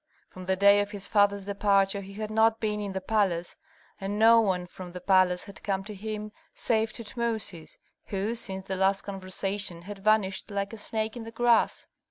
From the day of his father's departure he had not been in the palace, and no one from the palace had come to him, save Tutmosis, who since the last conversation had vanished like a snake in the grass.